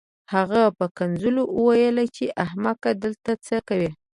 هغه په کنځلو وویل چې احمقه دلته څه کوې